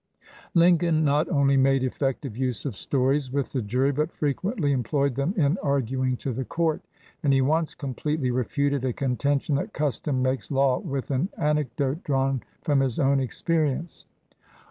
Lincoln not only made effective use of stories with the jury, but frequently employed them in arguing to the court, and he once completely refuted a contention that custom makes law with an anecdote drawn from his own experience.